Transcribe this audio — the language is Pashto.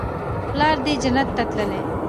پلار دې جنت ته تللى.